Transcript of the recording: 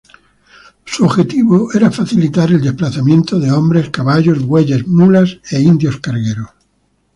Su objetivo era facilitar el desplazamiento de hombres, caballos, bueyes, mulas e indios cargueros.